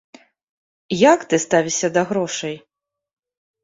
Як ты ставішся да грошай?